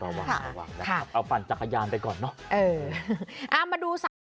เอาปัญญาจักรยานไปก่อนเนอะ